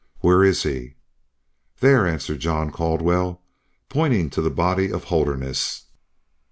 "Where is he?" "There!" answered John Caldwell, pointing to the body of Holderness.